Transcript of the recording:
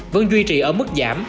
vẫn duy trì ở mức giảm